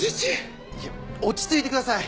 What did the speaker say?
落ち着いてください。